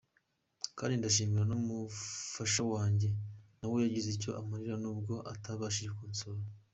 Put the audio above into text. Kandi ndashimira n'umufasha wanjye nawe yagize icyo amarira n'ubwo atabashije kunsura.